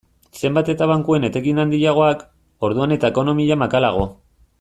Zenbat eta bankuen etekin handiagoak, orduan eta ekonomia makalago.